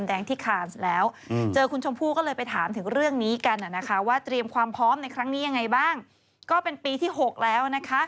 อันนั้นไม่จบเรื่องยาวแน่